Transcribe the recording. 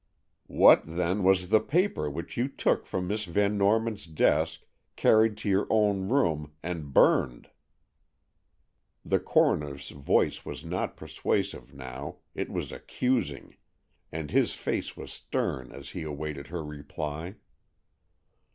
"What, then, was the paper which you took from Miss Van Norman's desk, carried to your own room, and burned?" The coroner's voice was not persuasive now; it was accusing, and his face was stern as he awaited her reply.